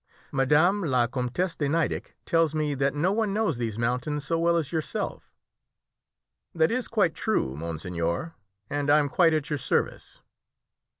Madame la Comtesse de Nideck tells me that no one knows these mountains so well as yourself." "That is quite true, monseigneur, and I am quite at your service."